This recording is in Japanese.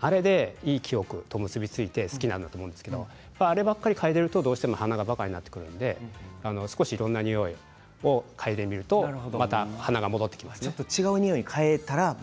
あれでいい記憶と結び付いて好きなんだと思うんですけどあればかり嗅いでいるとどうしても鼻がばかになってくるので少しいろんな匂いを嗅いでみると違う匂いに変えたら。